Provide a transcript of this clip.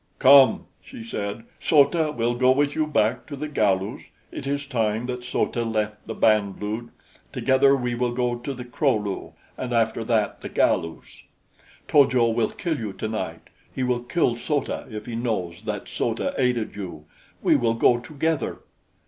"Come!" she said. "So ta will go with you back to the Galus. It is time that So ta left the Band lu. Together we will go to the Kro lu, and after that the Galus. To jo will kill you tonight. He will kill So ta if he knows that So ta aided you. We will go together."